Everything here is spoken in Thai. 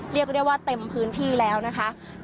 เรียกได้ว่าเต็มพื้นที่แล้วนะคะ